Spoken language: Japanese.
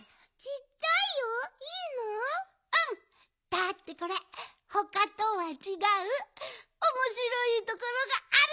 だってこれほかとはちがうおもしろいところがある！